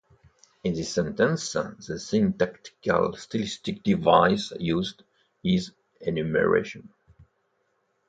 In this sentence, the syntactical stylistic device used is enumeration.